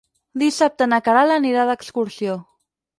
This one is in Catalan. Dissabte na Queralt anirà d'excursió.